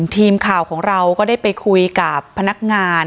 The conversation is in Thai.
ทีมข่าวของเราก็ได้ไปคุยกับพนักงาน